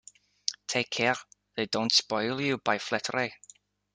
Take care they don't spoil you by flattery.